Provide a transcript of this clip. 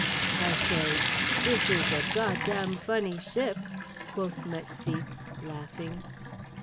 I say: 'This is a God Dam Funny Ship'"—quoth Mexique, laughing.